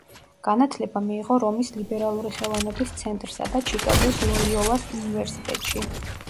განათლება მიიღო რომის ლიბერალური ხელოვნების ცენტრსა და ჩიკაგოს ლოიოლას უნივერსიტეტში.